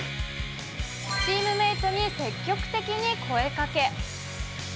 チームメートに積極的に声かけ。